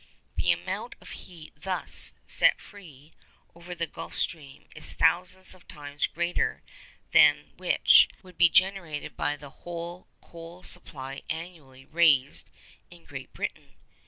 The amount of heat thus set free over the Gulf Stream is thousands of times greater than that which would be generated by the whole coal supply annually raised in Great Britain.